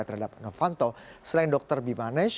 terhadap novanto selain dokter bimanes